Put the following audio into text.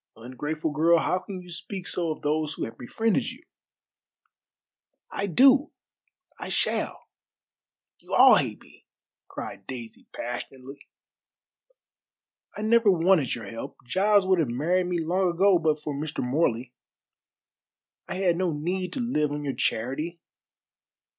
Ungrateful girl, how can you speak so of those who have befriended you?" "I do. I shall. You all hate me!" cried Daisy passionately. "I never wanted your help. Giles would have married me long ago but for Mr. Morley. I had no need to live on your charity.